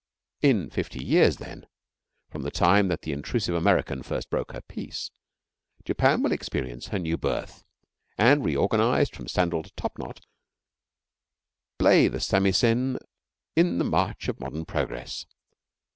In fifty years then, from the time that the intrusive American first broke her peace, Japan will experience her new birth and, reorganised from sandal to top knot, play the samisen in the march of modern progress.